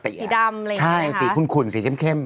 สีดำอะไรอย่างนี้ใช่สีขุ่นสีเข้ม